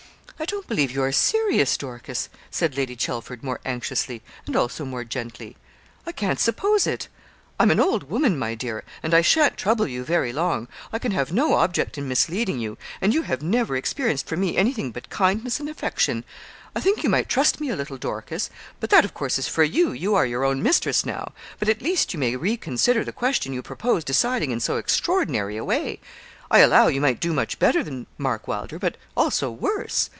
'I don't believe you are serious, Dorcas,' said Lady Chelford, more anxiously, and also more gently. 'I can't suppose it. I'm an old woman, my dear, and I sha'n't trouble you very long. I can have no object in misleading you, and you have never experienced from me anything but kindness and affection. I think you might trust me a little, Dorcas but that, of course, is for you, you are your own mistress now but, at least, you may reconsider the question you propose deciding in so extraordinary a way. I allow you might do much better than Mark Wylder, but also worse.